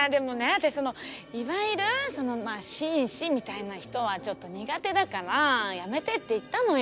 私いわゆる「紳士」みたいな人はちょっと苦手だからやめてって言ったのよ。